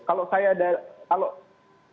kalau saya ada kalau